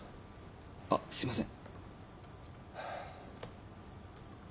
あっすいません。